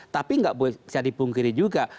tapi nggak bisa dipungkiri juga